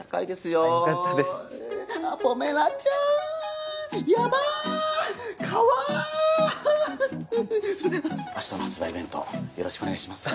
よろしくお願いします。